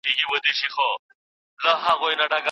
که کار وي نو هوښیار وي.